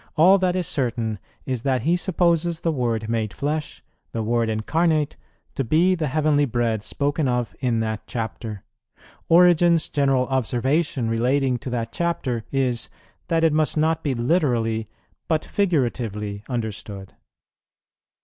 All that is certain is that he supposes the Word made flesh, the Word incarnate to be the heavenly bread spoken of in that chapter."[25:1] "Origen's general observation relating to that chapter is, that it must not be literally, but figuratively understood."